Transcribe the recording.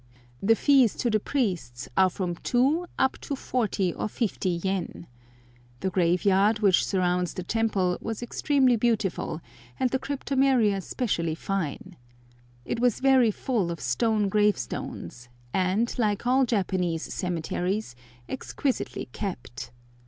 ] The fees to the priests are from 2 up to 40 or 50 yen. The graveyard, which surrounds the temple, was extremely beautiful, and the cryptomeria specially fine. It was very full of stone gravestones, and, like all Japanese cemeteries, exquisitely kept.